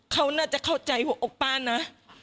เขาน่าจะเข้าใจหัวอกป้านะ